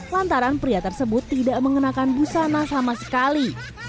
lantaran pria tersebut tidak mengenakan busana sama sekali